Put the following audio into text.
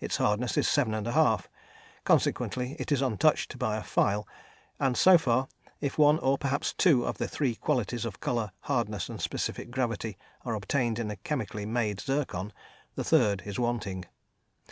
Its hardness is 7 1/2, consequently it is untouched by a file, and so far, if one or perhaps two of the three qualities of colour, hardness, and specific gravity, are obtained in a chemically made zircon, the third is wanting.